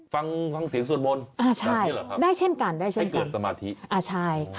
ฟังเสียงสวดมนตร์อย่างนี้เหรอครับให้เกิดสมาธิได้เช่นกัน